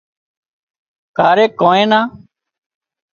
ڪاريڪ ڪانئين نا